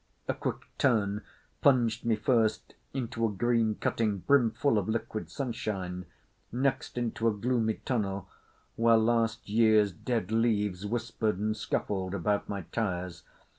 A quick turn plunged me first into a green cutting brimful of liquid sunshine, next into a gloomy tunnel where last year's dead leaves whispered and scuffled about my tyres.